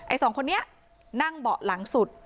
สองคนนี้นั่งเบาะหลังสุด